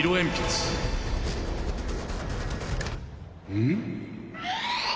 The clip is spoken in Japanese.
うん？